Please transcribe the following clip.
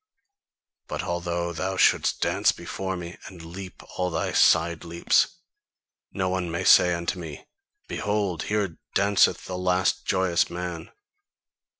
But although thou shouldst dance before me, and leap all thy side leaps, no one may say unto me: 'Behold, here danceth the last joyous man!